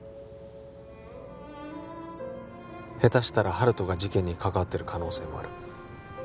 ヘタしたら温人が事件に関わってる可能性もある